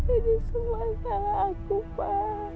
ini semua telah aku pak